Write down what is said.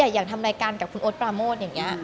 อยากทำรายการกับคุณโอ๊ตปราโมทอย่างนี้